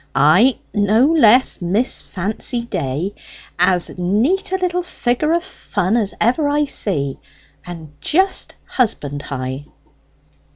"Ay, no less, Miss Fancy Day; as neat a little figure of fun as ever I see, and just husband high."